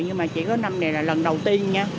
nhưng mà chỉ có năm này là lần đầu tiên